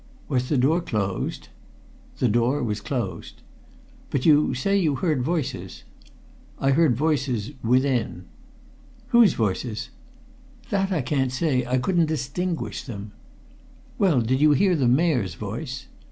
"Was the door closed?" "The door was closed." "But you say you heard voices?" "I heard voices within." "Whose voices?" "That I can't say. I couldn't distinguish them." "Well, did you hear the Mayor's voice?"